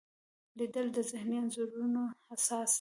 لیدل د ذهني انځورونو اساس دی